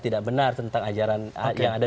tidak benar tentang ajaran yang ada